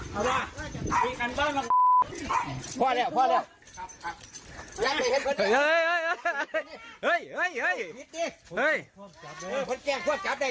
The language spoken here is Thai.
เฮ้ยเดี๋ยวผมเกลียงควบครับเด้ยม่าจุระเสำเลอมัตดี